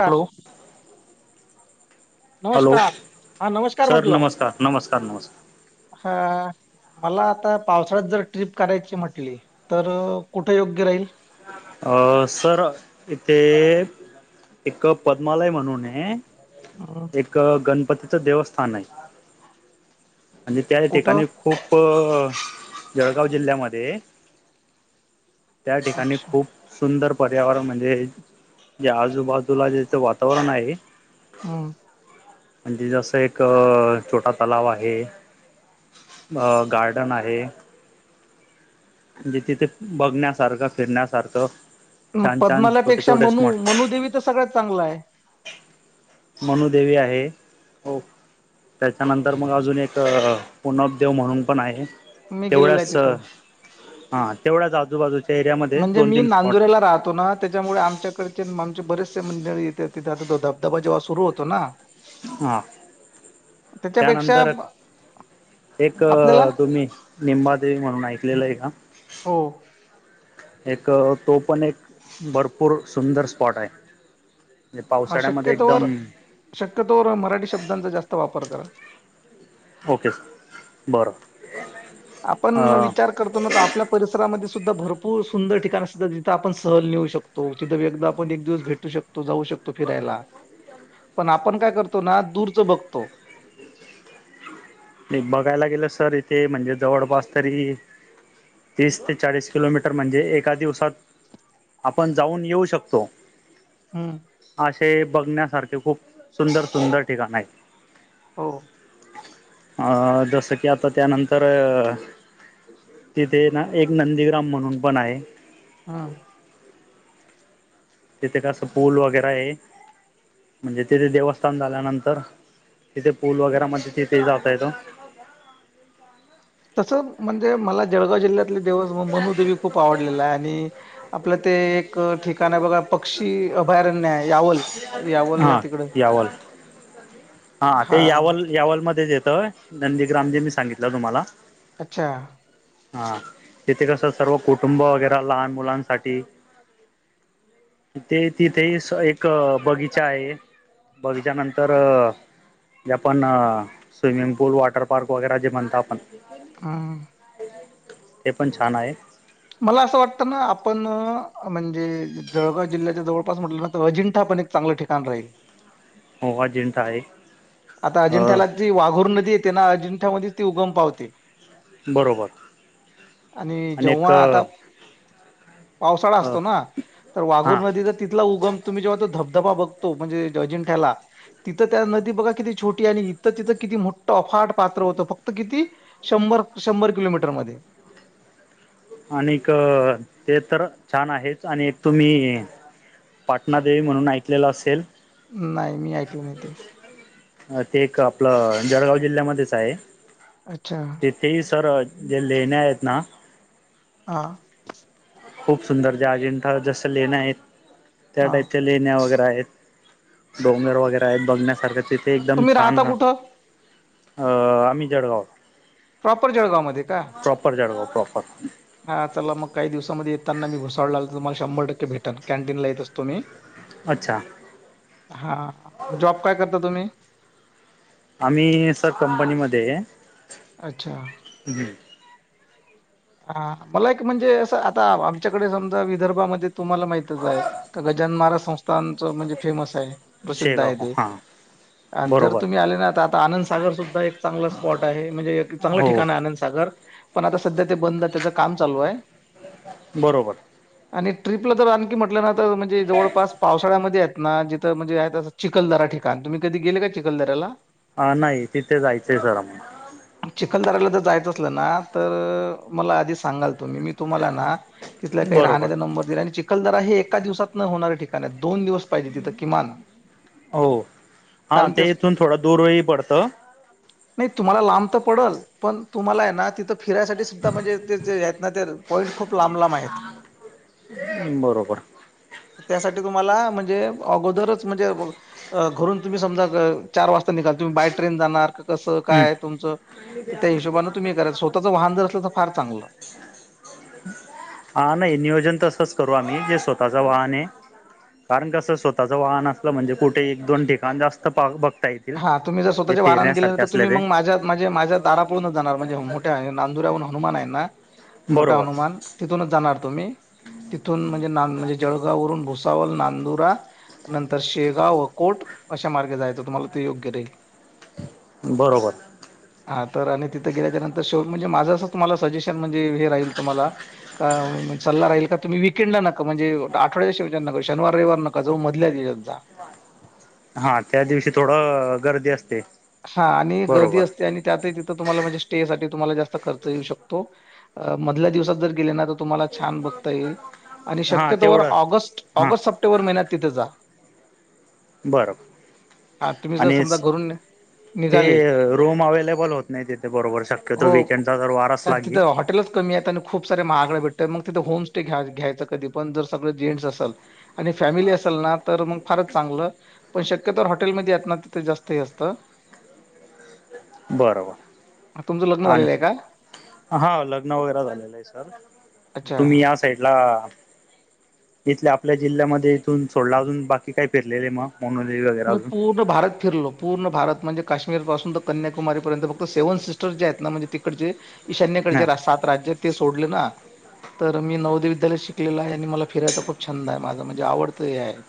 हा. Hello hello नमस्कार हा नमस्कार सर म्हंटल, नमस्कार नमस्कार नमस्कार हा. मला आता पावसाळ्यात जर ट्रिप करायची म्हटली, तर कुठे योग्य राहील? अ सर इथे, एक पद्मालय म्हणून ये. हम्म, एक गणपतीचं देवस्थान ये. म्हणजे त्या कुठं ठिकाणी खूप जळगाव जिल्ह्यामध्ये, त्या ठिकाणी अच्छा खूप.. सुंदर पर्यावरण म्हणजे, जे आजूबाजूला ज्याच वातावरण आहे. हम्म. म्हणजे जसं एक छोटा तलाव आहे. अ गार्डन आहे. म्हणजे तिथे बघण्यासारखं फिरण्यासारखं मग छान छान छोटे पद्मालापेक्षा छोटे मनु स्मॉट मनुदेवी तर सगळ्यात चांगलंय? मनुदेवी आहे, हो. त्याच्यानंतर मग अजून एक, पुनब देव म्हणून पण आहे. मी गेलेलो आहे तेवढ्याच तिथं. हा तेवढ्याच आजूबाजूच्या एरियामध्ये म्हणजे दोन मी तीन स्पॉट नांदुरेला राहतो ना त्याच्यामुळे आमच्याकडचे [unintelligible] बरेचसे मंडळी येतात. तिथे आता तो धबधबा जेव्हा सुरु होतो ना. हा. त्याच्यापेक्षा त्यानंतर एक आपल्याला तुम्ही, निंबादेवी म्हणून ऐकलेलंय का? हो एक तो पण एक भरपूर सुंदर स्पॉट आहे. म्हणजे हा शक्य पावसाळ्यामध्ये तोवर एकदम शक्य तोवर मराठी शब्दांचा जास्त वापर करा. Okay sir. आपण विचार करतो ना तर आपल्या परिस् सार मध्ये सुद्धा भरपूर सुंदर ठिकाणी असतात जिथ आपण सहल नेऊ शकतो, तिथं ऐकदा आपण एक दिवस भेटू शक तो जाऊ शकतो फिरायला पण आपण काय करतो ना दूरच बघतो. नाही बघायला गेलं सर इथे म्हणजे जवळपास तरी तीस ते चाळीस किलोमीटर म्हणजे एका दिवसात आपण जाऊन येऊ शकतो. हम्म. हे बघण्यासारखे खूप सुंदर सुंदर ठिकाण आहे. हो. अं जसं की आता त्यानंतर तिथे ना एक नंदीग्राम म्हणून पण आहे. हम. तिथे कसं पूल वगैरे आहे म्हणजे तिथे देवस्थान झाल्यानंतर तिथे पूल वगैरे मध्ये तिथे जात येत. तसं म्हणजे मला जळगाव जिल्ह्यात तिथे दिवस मनुदेवी खूप आवडलेला आहे आणि आपलं ते एक ठिकाण बघा पक्षी अभयारण्य यावल यावल ला हा तिकडे यावल हा ते यावल यावलमध्येध्येच येतंय नंदीग्राम जे मी सांगितलं तुम्हाला अच्छा. हा. तिथे कसं सर्व कुटुंब वगैरे लहान मुलांसाठी ते तिथेही एक बगीचा आहे. बगीचा नंतर जे आपण स्विमिंग पूल वॉटर पार्क वगैरे जे म्हणत आपण हम्म [unintelligible] हे पण छान आहे. मला असं वाटतं ना आपण म्हणजे जळगाव जिल्ह्याच्या जवळपास म्हटलं ना तर अजिंठा पण एक चांगलं ठिकाण राहील. हो अजिंठा आहे. आता अ, अजिंठा जी वाघोर नदी येते ना अजिंठा मध्ये ती उगम पावते. बरोबर आणि एक जेव्हा आता अ, पावसाळा असतो ना तर वाघोर हां नदीचा तिथला उगम तुम्ही जेव्हा तो धबधबा बघता. तो म्हणजे अजिंठाला किती छोटी आणि इथ तिथं किती मोठं अफाट पात्र होतं फक्त किती शंभर शंभर किलोमीटर मध्ये [unintelligible] आणि एक ते तर छान आहेत आणि एक तुम्ही पाटणादेवी म्हणून ऐकलेला असेल. नाही मी ऐकल नाही ते अ ते एक आपलं जळगाव जिल्ह्यामध्येच आहे. अच्छा तिथेही सर जे लेण्या आहेत ना. हा. खूप सुंदर ज्या अजिंठ जसं लेण्यां आहेत त्या हा टाईप ते लेण्या वगैरे तिथे आहेत डोंगर वगैरे आहेत बघण्यासारखं तिथे एकदम तुम्ही राहता छान ह. कुठं अ आम्ही जळगाव. प्रॉपर जळगाव मध्ये का? प्रॉपर जळगाव प्रॉपर हा चला मग काही दिवसाांमध्ये येत. त्याना मी भुसावळला तुमला शंभरक्के भेटन कॅनीन ला येत असतो मी अच्छा हा जॉब काय करता तुम्ही आम्ही सर कंपनी मध्ये अच्छा. हम. हा मला एक म्हणजे असं आता आमच्याकडे समजा, विदर्भामध्ये तुम्हाला माहितच आहे. का? महाजन महाराज संस्थानच म्हणजे फेमस आहे. प्रसिद्ध आहे शेगाव ते हां जर बरोबर तुम्ही आले ना, तर आता आनंदसागर सुद्धा एक चांगलं स्पॉट आहे, म्हणजे एक चांगलं हो ठिकाण आहे. आनंदसागर पण आता सध्या ते बंद, त्याच काम चालू आहे. बरोबर. आणि ट्रिपला तर आणखी म्हटलं ना तर म्हणजे जवळपास पावसाळ्यामध्ये आहेत. ना जिथं म्हणजे आहेत असं, चिखलदरा ठिकाण तुम्ही कधी गेले का चिखलदऱ्याला? हा नाही तिथे जायचंय सर मला चिखलदऱ्याला जायचं असलं ना तर, मला आधी सांगाल. तुम्ही मी तुम्हाला ना तिथल्या काही बरोबर राहण्याचा नंबर दिला, आणि चिखलदरा हे एका दिवसात न होणाऱ्या ठिकाण आहेत. दोन दिवस पाहिजे. तिथं किमान, हा ते इथून थोडं दूरही पडतं. नाही तुम्हाला लांब तर पडल. पण तुम्हाला आहे ना तिथं फिरायसाठी सुद्धा म्हणजे ते जे आहेत ना ते पॉईंट खूप लांब लांब आहेत बरोबर. त्यासाठी तुम्हाला म्हणजे, अगोदर म्हणजे घरून तुम्ही समजा चार वाजता निघाल तर बाय ट्रेन जाणार कस? हं. काय? तुमच त्या हशोबान तुम्ही करा स्वतः वाहन जर असल हा नाही नियोजन तसच करू आम्ही जे स्वतःचा वाहन हे कारण कसं स्वतःच वाहन असलं म्हणजे कुठे एक, दोन ठिकाण जास्त पाह बघ हा तुम्ही जर स्वतःच्या वाहनान गेले तुम्ही ते मग माझ्या माझे माझ्या दारापुडून जाणार, म्हणजे मोठ्या नांदुर्याहून हनुमान आहे ना. मोठा बरोबर हनुमान, तिथूनच जाणार तुम्ही तिथून, म्हणजे म्हणजे जळगाववरून भोस कावल, नांदुरा नंतर शेगाव व अकोट अशा मार्गे जायचं तुम्हाला. ते योग्य राहील. बरोबर. हा तर आणि तिथं गेल्याच्या नंतर शो म्हणजे माझं असंच मला सजेशन म्हणजे हे राहील तुम्हाला, का सल्ला राहील तुम्ही विक वीकेंडला नं म्हणजे आठवड्या शेवटी नका शनिवार, रविवार नका जाऊ मधल्या दिवसात जा. हा त्या दिवशी थोडं गर्दी असते. हा आणि गर्दी बरोबर असते. आणि त्यातही तिथं तुम्हाला म्हणजे स्टेसाठी तुम्हाला जास्त खर्च येऊ शकतो, अ मधल्या दिवसात जर गेले ना. छान बघता येईल, आणि हां शक्यतो वर तेवढं ऑगस्ट हां ऑगस्ट, सप्टेंबर महिन्यात तिथे जा. बरं, हां तुम्ही जर आणि समजा घरून ते निघाले रूम अवेलेबल होत नाही, तिथे बरोबर शक्यतो वीकेंडचा तर वार असला की तुम्ही येताना खूप से महागड्या भेटतील मग तिथ होम स्टे घ्यायचा कधी पण सगळ जण असल, आणि फॅमिली असेल ना तर फारच चांगलं पण, शक्य तर हॉटेलमध्ये आहेत, तिथ जास्त हे असत. बरोबर. तुमचं लग्न आणि झालेलं आहे का? हा, लग्न वगैरे झालेलं आहे. सर अच्छा. तुम्ही या साईड ला इथल्या आपल्या जिल्ह्यामध्ये इथून सोडला, अजून बाकी काय फिरलेले आहे मग? मोनोली वगैरे मी अजून पूर्ण भारत फिरलो, पूर्ण भारत म्हणजे काश्मीरपासून तर कन्याकुमारी पर्यंत फक्त सेव्हन सिस्टर जे आहेत ना म्हणजे तिकड ज हा ईशान्यकडेचे सात राज्य ते सोडले ना, तर मी नवोदय विद्यालयत शिकलेलं आहे. आणि मला फिरायचा खूप छंद आहे. माझ म्हणजे आवडत हे आहे.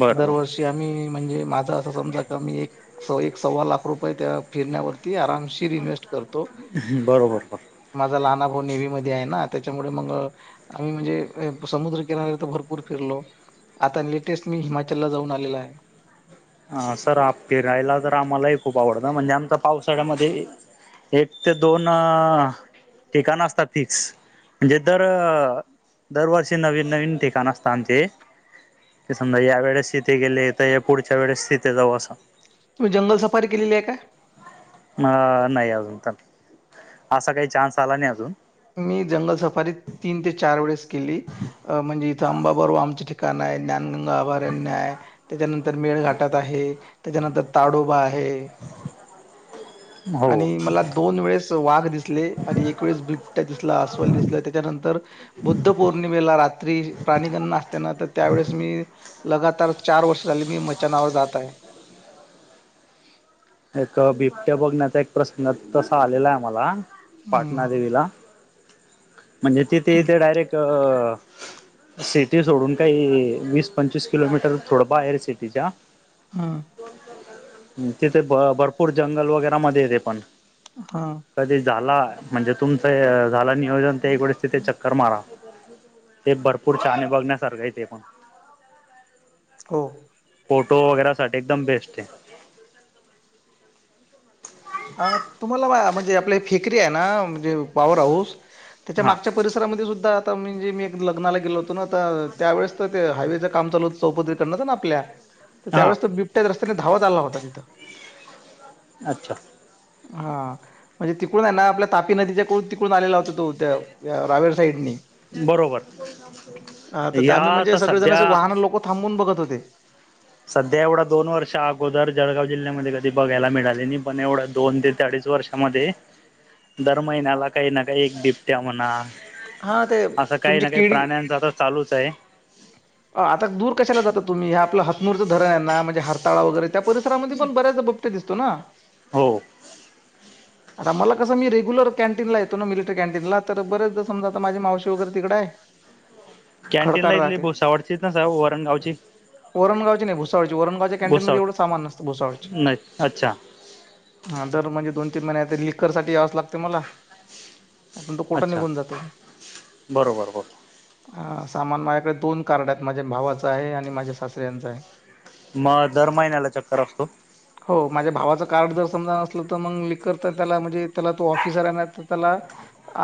बरबर. ते म्हणजे माझ अस समजा मी एक सव्वा लाख रुपये त्या फिरण्यावरती आमशीर इन्व्हेस्टमेंट तो बरोबर माझा लहाना भा हो, नेव्ही मध्ये आहे ना, त्याच्यामुळे मग आम्ही, म्हणजे समुद्रकिनाऱे तर भरपूर फिरलो. आता लेटेस्ट मी हिमाचलला जाऊन आलेला आहे. हा सर, आप फिरायला तर आम्हालाही खूप आवडतं, म्हणजे आमचा - पावसाळ्यामध्ये एक ते दोन ठिकाणं असतात, फिक्स. म्हणजे, तर दरवर्षी नवीन-नवीन ठिकाण असतात आमचे. की समजा, या वेळेस इथे गेले, त पुढच्या वेळेस तिथे जाऊ असं. तुम्ही जंगल सफारी केलेली आहे काय? अ, नाही. अजून तर असा काही चान्स आला नाही, अजून. मी जंगलात सफारी तीन ते चार वेळा केली, म्हणजे इथं [unintelligible] [unintelligible] हो आणि मला दोन वेळेस वाघ दिसले आणि दिसल! अस्वल दिसलं! त्याच्यानंतर, बुद्ध पौर्णिमेला रात्री प्राणीगणना असते ना, तर त्यावेेळेस मी लगातार चार वर्ष झाली, मी मैचानावर जात आहे. एक बिबट्या बघण्याचा एक प्रसंग तसा आलेला आहे आम्हाला. हं, पाटणा देेवीला. म्हणजे तिथे हं, ते डायरेक्ट अ सिटी सोडून काही वीस-पंचवीस किलोमीटर, थोडं बाहेर सिटीच्या हं, तिथे भ भरपूर जंगल, वगैरा मध्ये येते, पण हं. कधी झाला म्हणजे तुमचं झाला नियोजन ते एक वेळेस तिथे चक्कर मारा. ते बरपूर ताणे बघण्यासारखं आहे ते पण. हो. फोटो वगेरा साठी एकदम बेस्ट हे. अ, तुम्हाला म्हणजे आपली फेकरी आहे ना, म्हणजे पॉवर हाऊस - त्याच्या हा मागच्या परिसरामध्ये सुद्धा आता म्हणजे मी एक लग्नाला गेलो होतो ना, तर त्यावेेळेस तर, ते हायवेचं काम चालू होतं. चौपदरी करणाचं ना आपल्या? हा त्यावेळेस, तो बिबट्या रस्त्याने धावत आला होता. तिथं. अच्छा! हा, म्हणजे तिकडून आहे ना, आपल्या तापी नदीच्याकडून, तिकडून आलेला होता. तो त्या रावेर साईडनी. बरोबर ह, तर या आम्ही म्हणजे आता सगळेजण असे सध्या वाहनं लोकं थांबवून बघत होते. ते सध्या एवढा दोन वर्ष अगोदर जळगाव जिल्ह्यामध्ये कधी बघायला मिळाले नाही, पण एवढं दोन ते अडीच वर्षामध्ये दर महिन्याला काही ना, काही एक बिपट्या म्हणा हा, ते असं काही तुमची ना काही केळीे - प्राण्यांचा आता चालूच आहे अ आता दूर कशाला जाता तूम्ही, आपलं हातमुरच धरण आहे ना म्हणजे हात तळा वगैरे त्या परिसरामध्ये पण बऱ्याच दा बूपटया दिसतो ना? हो आता मला कसं मी रेंग्युलर कॅन्टीन ला येतो नि तिथं कॅन्टीन ला तर बरेचदा समजा, आता माझी मावशी वगैरे, तिकडे आहे कॅन्टीनला खडकार इथली राहते भुसावडची, का जाऊ वरणगावची? वरणगावची नाही, भुसावळची वरणगावच्या कॅन्टीन मध्ये भुसावळ एवढं सामान नसतं, भुसावळची. नाही अच्छा हा, तर म्हणजे दोन ती म्हणे आता लिकर साठी यावच लागते मला अन् तू कुठं अच्छा निघून जा बरोबर हो. हा, सामान माझ्याकडे दोन कार्ड आहेत. माझ्या भावाचं आहे, आणि माझ्या सासऱ्यांचं आहे. मग दर महिन्याला चक्कर असतो हो, माझ्या भावाचं कार्ड जर समजा असलं त मंग विकत त्याला म्हजे त्याला तो ऑफिसर आहे मये त्याला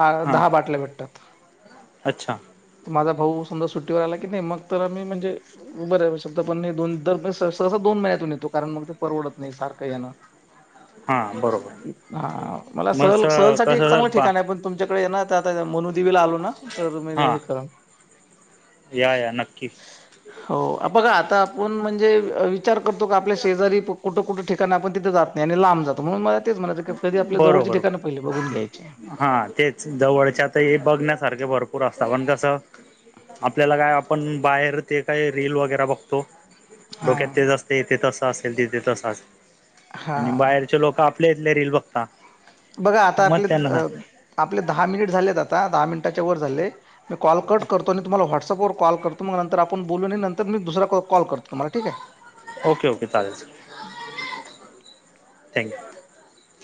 आ हां दहा बाट अच्छा! माझा भाऊ सुन्दा सुट्टीवर आला की नई मग तर आम्ही म्हंजे बरे [unintelligible] [unintelligible] म तू काय म्हणे परवडत नाही सारखं येणं हां बरोबर हा, मला मग सहल स सहल साठी एक कसं जर चांगलं बा ठिकाण आहे. पण तुमच्या कळे ना आता आता मोनु दिवेला आलो ना तर मग हां हे करन. या या नक्कीच. हो बघा आता आपून म्हणजे विचार करतो का आपल्या शेजारी कुट कुट ठे कारण आपण तिथं जात नाही आणि लांब जातो म्हणून म तेच म्हणायच कधी आपल्या जवळची बरोबर ठिकाणं पहिली बघून घ्यायचे. जवळच्यात ही बघण्यासारख भरपूर असता पण कसं आपल्याला काय आप पण बाहेर जे काही रील वगेरा बघतो हा डोक्यात तेच असते तेच अस असेल तिथे तसाच आणि हा बाहेरचे लोक आपले इथले रिल बघता. बघा आता मग आपले अ त्यांना आपले दहा मिनिट झालेत आता दहा मिनिटाच्या वर झाले मी कॉल कट करतो. नी तुमला व्हाटस सप करतो मग नंतर आपण बोलू आणि नंतर मी दुसरा कॉल करतो तुम्हाला ठीक आहे. ओके ओके चालेल, थँक्स यु.